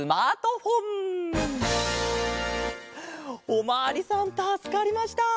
おまわりさんたすかりました。